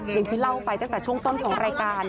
อย่างที่เล่าไปตั้งแต่ช่วงต้นของรายการ